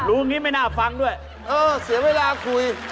อย่างนี้ไม่น่าฟังด้วยเออเสียเวลาคุย